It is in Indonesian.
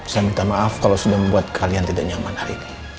saya minta maaf kalau sudah membuat kalian tidak nyaman hari ini